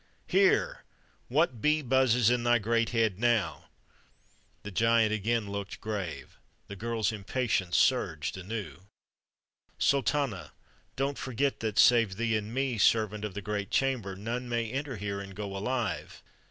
"Here! What bee buzzes in thy great head now?" The giant again looked grave; the girl's impatience surged anew. "Sultana, don't forget that, save thee and me, servant of the great chamber, none may enter here and go alive?"